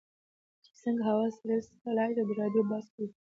چې څنګه هوا سړوي سټلایټ او د رادیو بحث کوي.